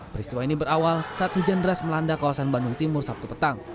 peristiwa ini berawal saat hujan deras melanda kawasan bandung timur sabtu petang